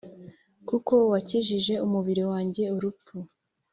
Kuko wakijije umubiri wanjye urupfu